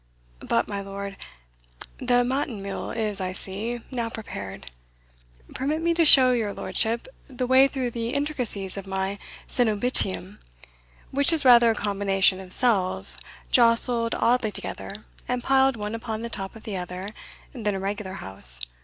But, my lord, the matin meal is, I see, now prepared Permit me to show your lordship the way through the intricacies of my cenobitium, which is rather a combination of cells, jostled oddly together, and piled one upon the top of the other, than a regular house.